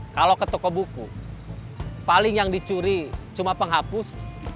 kalau ke toko buku paling yang dicuri cuma penghapus